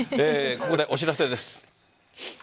ここでお知らせです。